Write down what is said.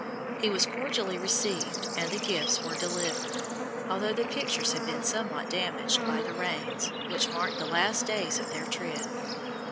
He was cordially received and the gifts were delivered, although the pictures had been somewhat damaged by the rains which marked the last days of their trip.